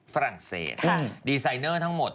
ฝรั่งเศสดีไซเนอร์ทั้งหมด